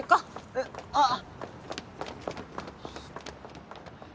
えっあぁ。